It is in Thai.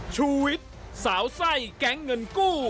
ชูวิทย์สาวไส้แก๊งเงินกู้